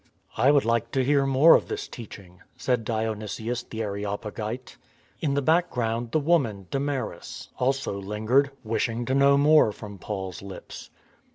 " I would like to hear more of this teaching," said Dionysius the Areopagite. THE SCORN OF ATHENS 223 In the background the woman, Damaris, also Hn gered, wishing to know more from Paul's lips.